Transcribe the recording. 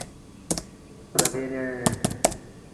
Provedenы spetsialnыye takticheskiye ucheniya